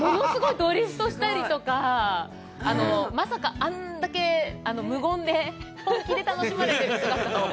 ドリフトしたりとか、まさかあんだけ無言で本気で楽しまれている姿を。